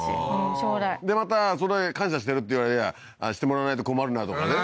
将来でまたそれで感謝してるって言われりゃしてもらわないと困るなとかね